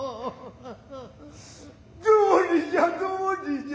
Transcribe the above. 道理じゃ道理じゃ。